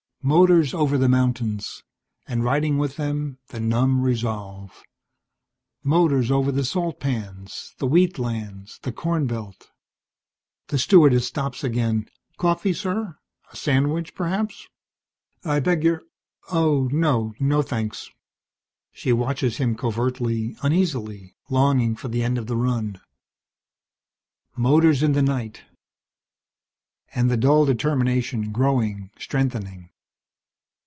Motors over the mountains. And riding with them, the numb resolve. Motors over the salt pans, the wheat lands, the corn belt. The stewardess stops again. "Coffee, sir? A sandwich, perhaps?" "I beg your Oh, no. No, thanks." She watches him covertly, uneasily, longing for the end of the run. Motors in the night. And the dull determination growing, strengthening.